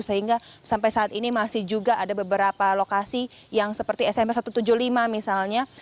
sehingga sampai saat ini masih juga ada beberapa lokasi yang seperti smp satu ratus tujuh puluh lima misalnya